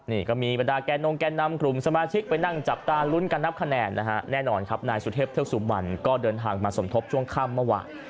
นี่ก็มีบรรดาแกนงแก่นำกลุ่มสมาชิกไปนั่งจับตาลุ้นกันนับคะแนนนะฮะแน่นอนครับนายสุเทพเทือกสุมันก็เดินทางมาสมทบช่วงค่ำเมื่อวาน